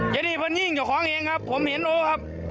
อย่างนี้มันยิ่งเจ้าของเองครับผมเห็นโอครับ